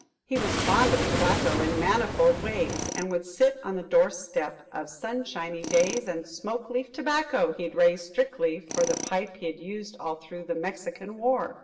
"He was fond of tobacco in manifold ways, And would sit on the door step, of sunshiny days, "And smoke leaf tobacco he'd raised strictly for The pipe he'd used all through The Mexican War."